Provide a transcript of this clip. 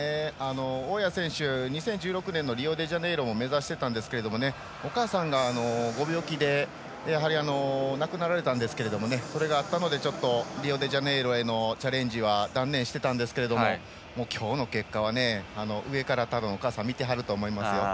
大矢選手、２０１６年リオデジャネイロも目指していたんですがお母さんがご病気で亡くなられたんですけどそれがあったのでリオデジャネイロへのチャレンジは断念していたんですが今日の結果は上から多分、お母さん見てはると思います。